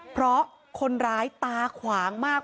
เพราะคนร้ายตาขวางมาก